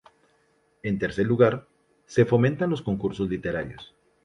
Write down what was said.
En tercer lugar, se fomentan los concursos literarios.